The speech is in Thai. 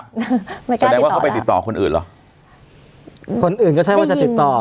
แสดงว่าเขาไปติดต่อคนอื่นเหรอคนอื่นก็ใช่ว่าจะติดต่อ